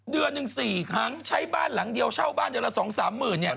เดือนหนึ่ง๔ครั้งใช้บ้านหลังเดียวเช่าบ้านเดือนละสองสามหมื่นเนี่ย